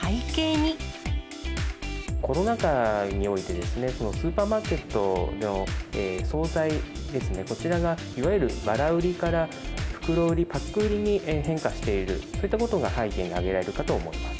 コロナ禍において、スーパーマーケットの総菜ですね、こちらがいわゆるバラ売りから、袋売り、パック売りに変化している、そういったことが背景に挙げられるかと思います。